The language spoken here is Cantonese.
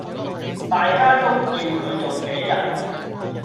大家都叫佢做杞人